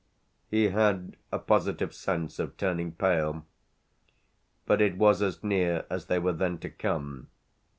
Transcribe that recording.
He had a positive sense of turning pale. But it was as near as they were then to come.